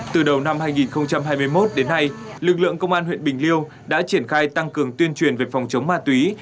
từ đầu năm hai nghìn hai mươi một đến nay lực lượng công an huyện bình liêu đã triển khai tăng cường tuyên truyền về phòng chống ma túy